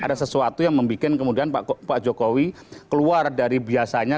ada sesuatu yang membuat kemudian pak jokowi keluar dari biasanya